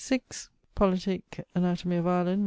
Politique Anatomie of Ireland, MS.